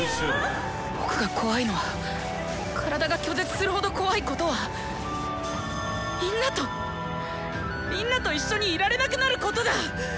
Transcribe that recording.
僕が怖いのは体が拒絶するほど怖いことはみんなとみんなと一緒にいられなくなることだ！